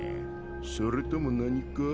それとも何か？